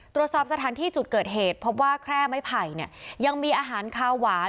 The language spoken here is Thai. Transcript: ตรวจสอบสถานที่จุดเกิดเหตุพบว่าแคร่ไม้ไผ่เนี่ยยังมีอาหารคาวหวาน